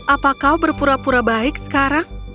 apa kau berpura pura baik sekarang